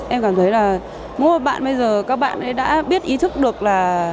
em cảm thấy là mỗi bạn bây giờ các bạn ấy đã biết ý thức được là